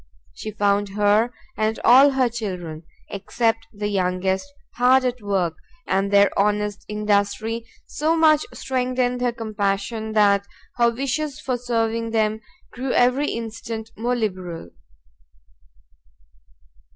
She found her and all her children, except the youngest, hard at work, and their honest industry so much strengthened her compassion, that her wishes for serving them grew every instant more liberal.